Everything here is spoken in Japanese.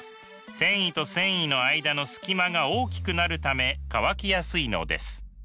繊維と繊維の間の隙間が大きくなるため乾きやすいのです。